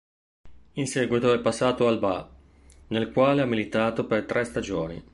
In seguito è passato al Ba, nel quale ha militato per tre stagioni.